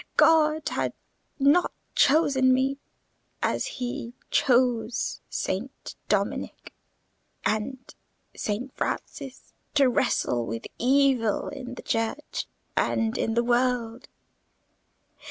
God had not chosen me, as he chose Saint Dominic and Saint Francis, to wrestle with evil in the Church and in the world.